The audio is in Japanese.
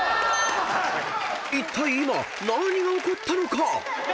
［いったい今何が起こったのか⁉］